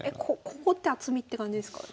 ここって厚みって感じですかね？